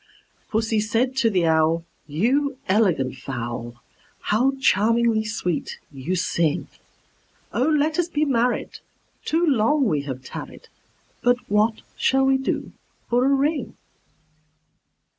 Pussy said to the Owl, "You elegant fowl, How charmingly sweet you sing! Oh, let us be married; too long we have tarried: But what shall we do for a ring?"